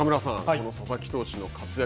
この佐々木投手の活躍